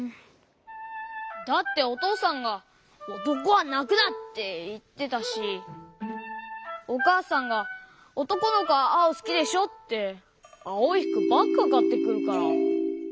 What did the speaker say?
だっておとうさんが「おとこはなくな！」っていってたしおかあさんが「おとこのこはあおすきでしょ」ってあおいふくばっかかってくるから。